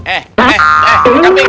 eh eh eh kambing